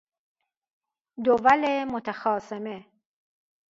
دول متخاصمه